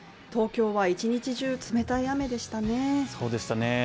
東京は一日中冷たい雨でしたね